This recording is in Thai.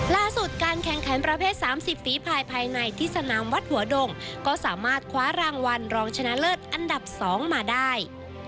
ล่าสุดการแข่งขันประเภท๓๐ฝีภายภายในที่สนามวัดหัวดงก็สามารถคว้ารางวัลรองชนะเลิศอันดับ๒มาได้